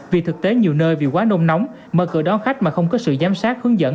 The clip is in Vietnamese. vì thực tế nhiều nơi vì quá nôm nóng mở cửa đón khách mà không có sự giám sát hướng dẫn